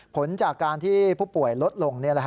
ผลจากการที่ผู้ป่วยลดลง